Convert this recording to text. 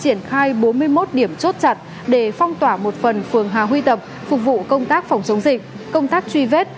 triển khai bốn mươi một điểm chốt chặt để phong tỏa một phần phường hà huy tập phục vụ công tác phòng chống dịch công tác truy vết